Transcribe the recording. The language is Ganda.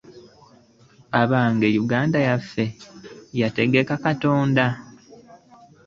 Abange Uganda yaffe yetaga katonda.